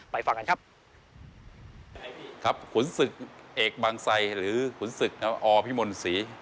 ฟังกันครับครับขุนศึกเอกบางไซหรือขุนศึกอพิมลศรี